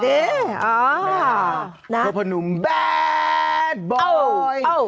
เพราะเพราะหนุ่มแบดบอย